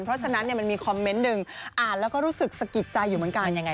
เพราะฉะนั้นมันมีคอมเมนต์หนึ่งอ่านแล้วก็รู้สึกสะกิดใจอยู่เหมือนกันยังไง